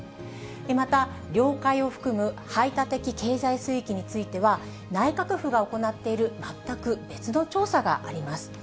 また、領海を含む排他的経済水域については、内閣府が行っている全く別の調査があります。